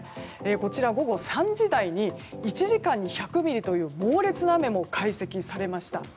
こちら午後３時台に１時間に１００ミリという猛烈な雨も観測されました。